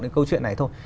cái câu chuyện này thôi